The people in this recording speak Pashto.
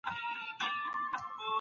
دوې نقطې يو خط جوړوي.